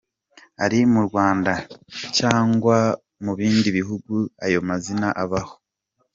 Ari mu Rwanda cyangwa mu bindi bihugu ayo mazina abaho.